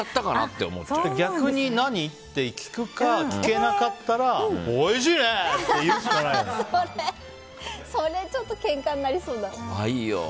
逆に何？って聞くか聞けなかったらそれ、ちょっとけんかになりそうだ。